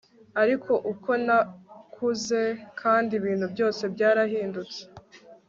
ariko uko nakuze kandi ibintu byose byarahindutse